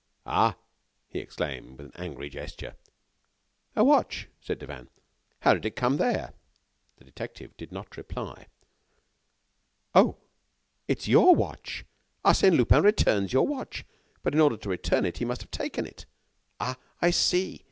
"Ah!" he exclaimed, with an angry gesture. "A watch," said Devanne. "How did it come there?" The detective did not reply. "Oh! it is your watch! Arsène Lupin returns your watch! But, in order to return it, he must have taken it. Ah! I see!